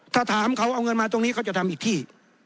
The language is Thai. ถ้าถามเขาเอาเงินมาตรงนี้เขาจะทำอีกที่